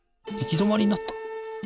どまりになった！